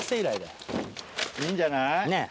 いいんじゃない？